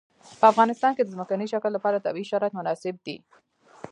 په افغانستان کې د ځمکنی شکل لپاره طبیعي شرایط مناسب دي.